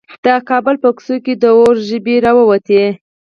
د کابل په کوڅو کې د اور ژبې راووتې.